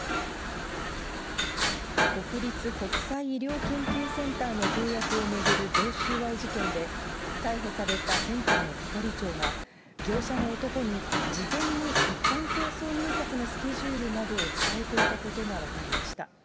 国立国際医療研究センターの契約を巡る贈収賄事件で、逮捕されたセンターの係長が、業者の男に、事前に一般競争入札のスケジュールなどを伝えていたことが分かりました。